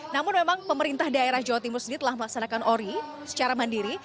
namun memang pemerintah daerah jawa timur sendiri telah melaksanakan ori secara mandiri